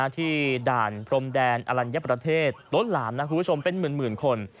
ที่ด่านพรมแดนอลัญญประเทศล้นหลามนะคุณผู้ชมเป็นหมื่นคน